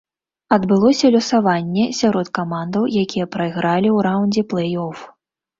Адбылося лёсаванне сярод камандаў, якія прайгралі ў раўндзе плэй-оф.